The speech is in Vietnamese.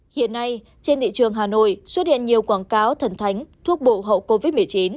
hiện nay trên thị trường hà nội xuất hiện nhiều quảng cáo thần thánh thuốc bộ hậu covid một mươi chín